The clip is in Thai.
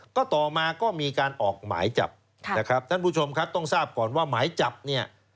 ก็ต่อมาก็มีการออกหมายจับนะครับท่านผู้ชมครับต้องทราบก่อนว่าหมายจับเนี่ย